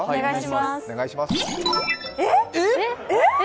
えっ！